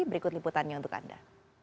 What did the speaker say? berikut liputannya untuk anda